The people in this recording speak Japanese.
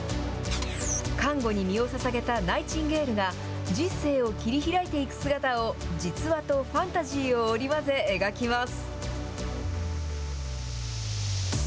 看護に身をささげたナイチンゲールが、人生を切り開いていく姿を、実話とファンタジーを織り交ぜ描きます。